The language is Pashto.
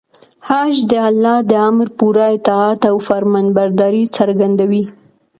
حج د الله د امر پوره اطاعت او فرمانبرداري څرګندوي.